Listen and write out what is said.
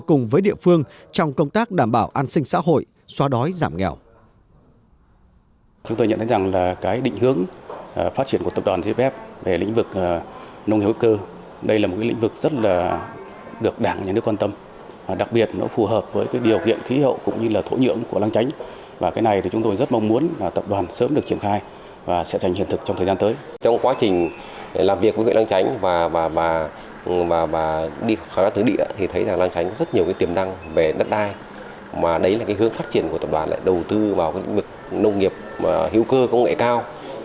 cùng với địa phương trong công tác đảm bảo an sinh xã hội xóa đói giảm nghèo